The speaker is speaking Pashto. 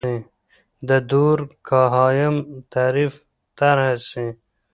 د دورکهايم تعریف طرحه سي.